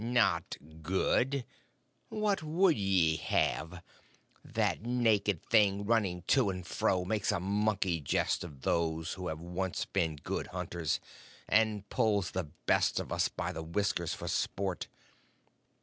"Not good! What would ye have? That naked thing running to and fro makes a monkey jest of those who have once been good hunters, and pulls the best of us by the whisker for sport."